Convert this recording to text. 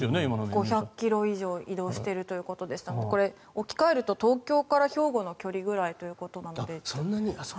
５００ｋｍ以上移動しているということで置き換えると東京から兵庫の距離ぐらいということなので。